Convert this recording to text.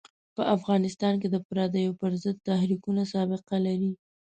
په افغانستان کې د پردیو پر ضد تحریکونه سابقه لري.